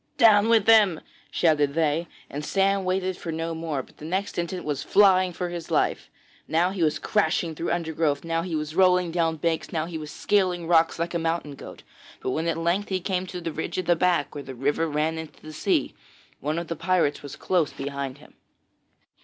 'Down with him,' shouted they; and Sam waited for no more, but the next instant was flying for his life. Now he was crashing through undergrowth, now he was rolling down banks, now he was scaling rocks like a mountain goat; but when at length he came to the ridge at the back, where the river ran into the sea, one of the pirates was close behind him.